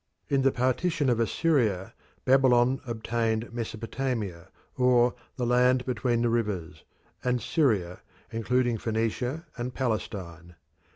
In the partition of Assyria Babylon obtained Mesopotamia, or "the Land between the Rivers," and Syria, including Phoenicia and Palestine.